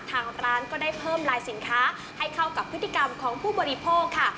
ทางร้านก็ได้เพิ่มลายสินค้าให้เข้ากับพฤติกรรมของผู้บริโภคค่ะ